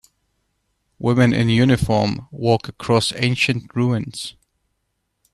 Women in uniform walk across ancient ruins.